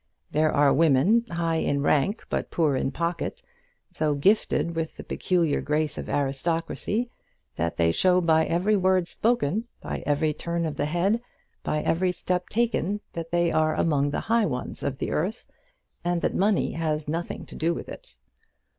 There are women, high in rank, but poor in pocket, so gifted with the peculiar grace of aristocracy, that they show by every word spoken, by every turn of the head, by every step taken, that they are among the high ones of the earth, and that money has nothing to do with it.